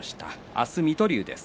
明日、水戸龍です。